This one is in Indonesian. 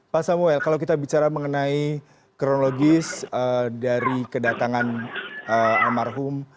pak samuel kalau kita bicara mengenai kronologis dari kedatangan almarhum